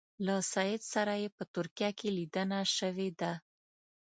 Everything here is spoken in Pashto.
له سید سره یې په ترکیه کې لیدنه شوې ده.